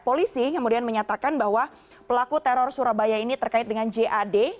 polisi kemudian menyatakan bahwa pelaku teror surabaya ini terkait dengan jad